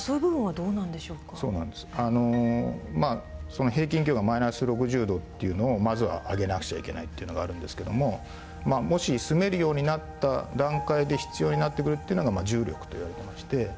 その平均気温がマイナス６０度っていうのをまずは上げなくちゃいけないっていうのがあるんですけどももし住めるようになった段階で必要になってくるっていうのが重力と言われてまして。